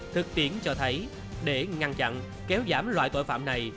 thực tiễn cho thấy để ngăn chặn kéo giảm loại tội phạm này